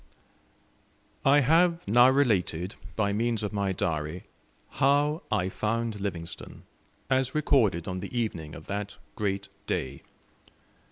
I have now related, by means of my Diary, "How I found Livingstone," as recorded on the evening of that great day.